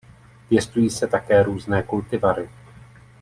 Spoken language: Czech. Pěstují se také různé kultivary.